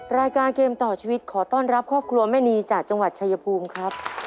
รายการเกมต่อชีวิตขอต้อนรับครอบครัวแม่นีจากจังหวัดชายภูมิครับ